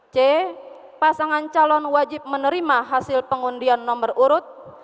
c pasangan calon wajib menerima hasil pengundian nomor urut